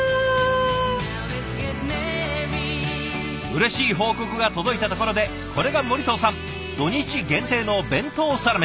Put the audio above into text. うれしい報告が届いたところでこれが森藤さん土日限定の弁当サラメシ。